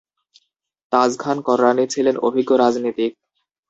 তাজখান কররানী ছিলেন অভিজ্ঞ রাজনীতিক।